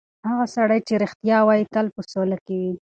هغه سړی چې رښتیا وایي، تل په سوله کې وي.